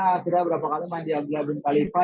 karena kita berapa kali di abdullah bin khalifa